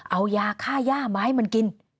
เอายาค่าย่ามาให้มันกิน